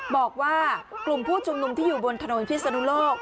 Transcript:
บอกว่ากลุ่มผู้ชุมนุมที่อยู่บนถนนพิศนุโลก